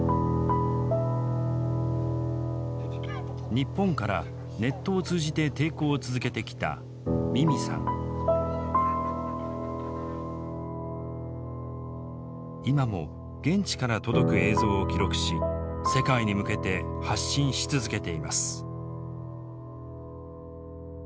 日本からネットを通じて抵抗を続けてきた今も現地から届く映像を記録し世界に向けて発信し続けています。